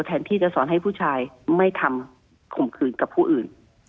แทนที่จะสอนให้ผู้ชายไม่ทำข่มขืนกับผู้อื่น